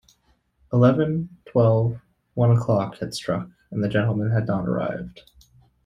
Eleven — twelve — one o’clock had struck, and the gentlemen had not arrived.